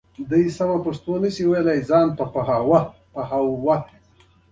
ستاسي څخه غلامان جوړوي.